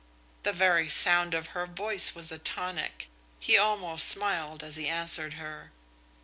The very sound of her voice was a tonic. He almost smiled as he answered her.